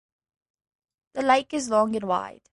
The lake is long and wide.